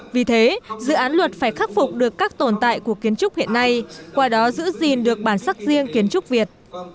vì thế dự án luật phải khắc phục được các tồn tại của kiến trúc hiện nay qua đó giữ gìn được bản sắc riêng kiến trúc việt